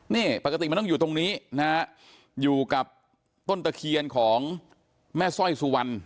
นี่ปกติมันต้องอยู่ตรงนี้นะฮะอยู่กับต้นตะเคียนของแม่สร้อยสุวรรณ